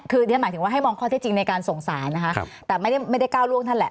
คือเรียนหมายถึงว่าให้มองข้อเท็จจริงในการส่งสารนะคะแต่ไม่ได้ก้าวล่วงท่านแหละ